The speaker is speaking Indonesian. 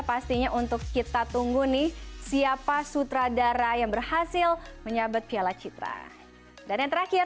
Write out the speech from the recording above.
pastinya untuk kita tunggu nih siapa sutradara yang berhasil menyabet piala citra dan yang terakhir